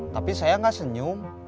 tapi saya gak senyum